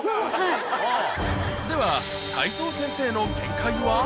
では、齋藤先生の見解は。